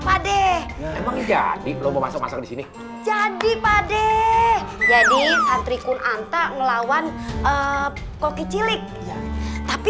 padeh jadi lomba masak masak di sini jadi padeh jadi santri kun anta melawan eh koki cilik tapi